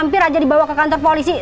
hampir raja dibawa ke kantor polisi